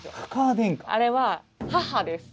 あれは母です。